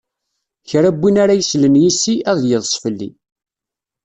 Kra n win ara yeslen yis-i, ad yeḍṣ fell-i.